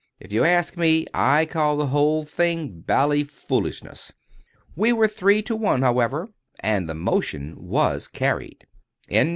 If you ask me, I call the whole thing bally foolishness." We were three to one, however, and the motion was carried.